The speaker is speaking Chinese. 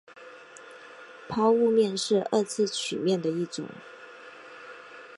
抛物面是二次曲面的一种。